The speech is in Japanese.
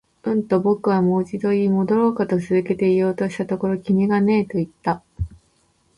うん、と僕はもう一度言い、戻ろうかと続けて言おうとしたところ、君がねえと言った